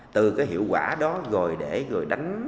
từ cái hiệu quả đó rồi để đánh